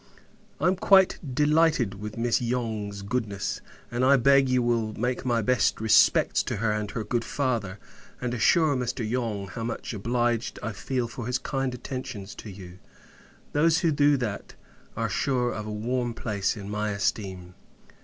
I am quite delighted with Miss Yonge's goodness: and I beg you will make my best respects to her and her good father; and assure Mr. Yonge, how much obliged I feel for all his kind attentions to you. Those who do that, are sure of a warm place in my esteem.